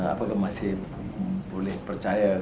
apakah masih boleh pertanyaan